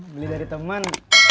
beli dari teman